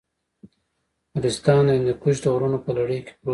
نورستان د هندوکش د غرونو په لړۍ کې پروت دی.